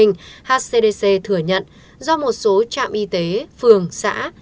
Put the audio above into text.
tp hcm thừa nhận do một số trạm y tế phường xã